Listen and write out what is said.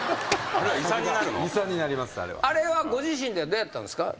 あれはご自身ではどうやったんですか？